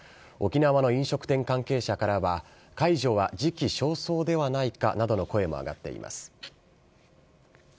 沖縄の飲食店関係者からは、解除は時期尚早ではないかなどの声も上がっています。